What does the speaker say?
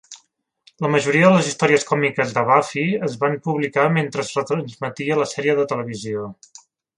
La majoria de les històries còmiques de Buffy es van publicar mentre es retransmetia la sèrie de televisió.